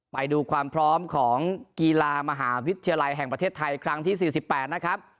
ไปดูความพร้อมของกีฬามหาวิทยาลัยแห่งประเทศไทยครั้งที่๔๘นะครับ